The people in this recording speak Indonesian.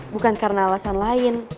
bukan karena alasan lain